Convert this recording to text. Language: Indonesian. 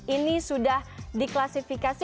ini sudah diklasifikasi